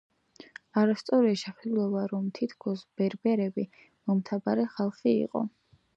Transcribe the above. არასწორია შეხედულება, რომ თითქოს ბერბერები მომთაბარე ხალხი იყო.